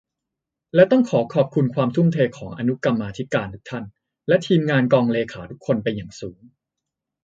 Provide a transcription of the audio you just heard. และต้องขอขอบคุณความทุ่มเทของอนุกรรมาธิการทุกท่าน และ ทีมงานกองเลขาทุกคนเป็นอย่างสูง